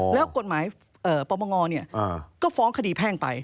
แล้วกฎหมายปลอบังงอเนี่ยก็ฟ้องคดีแพ่งไป